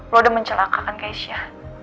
lo udah mencelakakan keisha